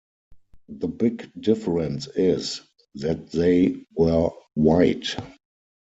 The big difference is that they were white.